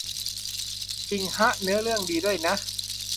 จริงฮะ เนื้อเรื่องดีด้วยนะ